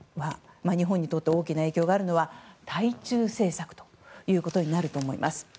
日本にとって大きな影響があるのは対中政策になると思います。